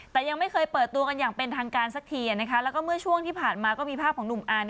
แต่ยังไม่เคยเปิดตัวกันอย่างเป็นทางการสักทีนะคะแล้วก็เมื่อช่วงที่ผ่านมาก็มีภาพของหนุ่มอัน